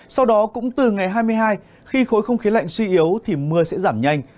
sau đó cũng từ ngày hai mươi hai khi khối không khí lạnh suy yếu thì mưa sẽ giảm nhanh